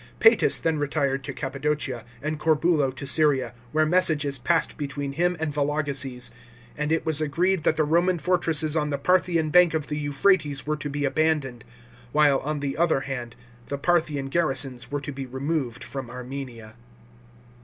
Psetus then retired to Cappadocia, and Corbulo to Syria, where messages passed between him and Vologeses, and it was agreed that the Roman fortresses on the Parthian bank of the Euphrates were to be abandoned, while on the other hand the Parthian garrisons were to be removed from Armenia.